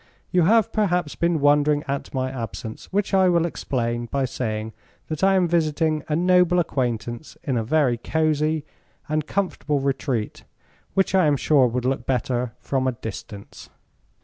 You have perhaps been wondering at my absence, which I will explain by saying that I am visiting a noble acquaintance in a very cozy and comfortable retreat which I am sure would look better from a distance.